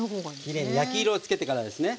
きれいに焼き色をつけてからですね。